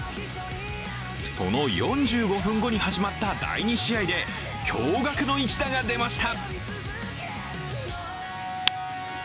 その４５分後に始まった第２試合で驚がくの一打が出ました。